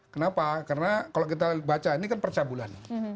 kenapa karena kalau kita baca ini kan percabulan